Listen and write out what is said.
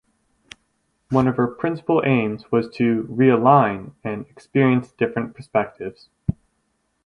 One of her principal aims was to "realign" and "experience different perspectives".